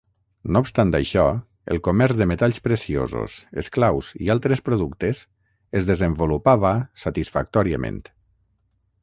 No obstant això, el comerç de metalls preciosos, esclaus i altres productes es desenvolupava satisfactòriament.